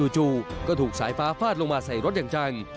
จู่ก็ถูกสายฟ้าฟาดลงมาใส่รถอย่างจัง